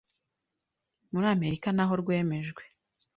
muri Amerika naho rwemejwe